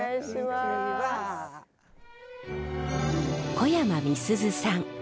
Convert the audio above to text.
小山みすずさん。